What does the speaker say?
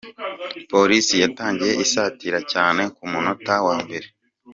Police yatangiye isatira cyane ku munota wa mbere.